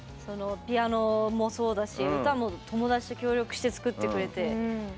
ピアノもそうだし歌も友達と協力して作ってくれて。